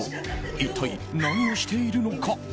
一体何をしているのか。